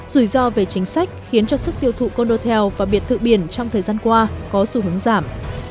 rủi ro về chính sách khiến cho sức tiêu thụ con đô tel và biệt thự biển trong thời gian qua có xu hướng giảm